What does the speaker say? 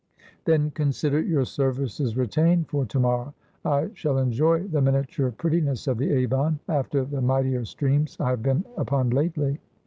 ' Then consider your services retained for to morrow. I shall enjoy the miniature prettiness of the Avon, after the mightier streams I have been upon lately.'